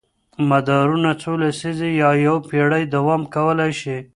مدارونه څو لسیزې یا یوه پېړۍ دوام کولی شي.